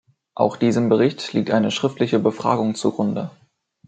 Auch diesem Bericht liegt eine schriftliche Befragung zugrunde.